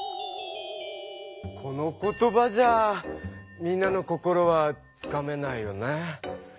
この言葉じゃみんなの心はつかめないよね。